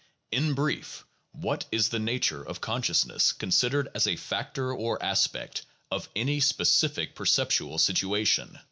In brief, what is the nature of consciousness, consid ered as a factor or aspect of any specific perceptual situation?